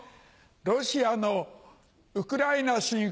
ロシアのウクライナ侵攻